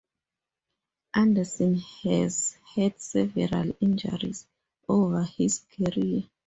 Anderson has had several injuries over his career.